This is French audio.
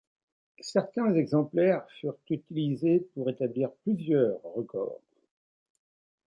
Certains exemplaires furent utilisés pour établir plusieurs records.